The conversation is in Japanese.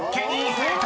正解！］